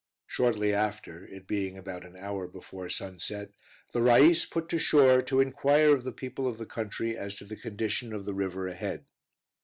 Shortly after, it being about an hour before sunset, the rais put to shore to inquire of the people of the country as to the condition of the river ahead.